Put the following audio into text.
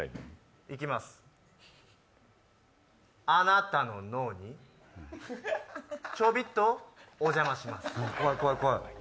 いきます、あなたの脳にちょびっとお邪魔します。